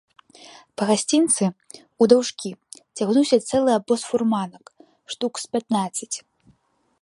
Па гасцінцы ўдаўжкі цягнуўся цэлы абоз фурманак, штук з пятнаццаць.